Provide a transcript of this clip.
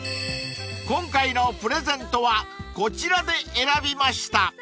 ［今回のプレゼントはこちらで選びました］